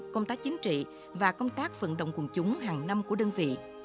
công tác chính trị và công tác vận động quần chúng hàng năm của đơn vị